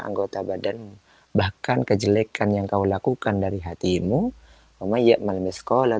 anggota badan bahkan kejelekan yang kau lakukan dari hatimu ya malamnya sekolah